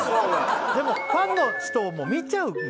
でもファンの人も見ちゃうんだけど。